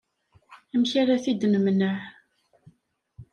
Amek ara t-id-nemneε?